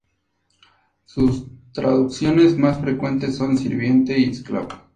Sus traducciones más frecuentes son "sirviente" y "esclavo".